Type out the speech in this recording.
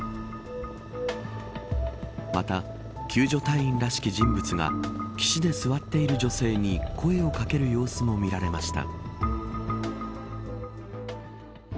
また、救助隊員らしき人物が岸で座っている女性に声を掛ける様子も見られました。